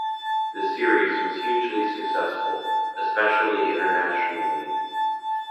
The series was hugely successful, especially internationally.